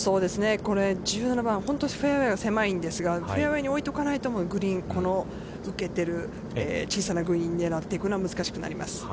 これ１７番、本当フェアウェイが狭いんですが、フェアウェイに置いておかないと、グリーン、受けている小さなグリーンを狙っていくのは、難しくなります。